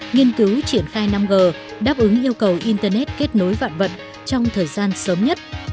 nghiên cứu triển khai năm g đáp ứng yêu cầu internet kết nối vạn vật trong thời gian sớm nhất